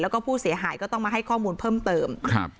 แล้วก็ผู้เสียหายก็ต้องมาให้ข้อมูลเพิ่มเติมครับ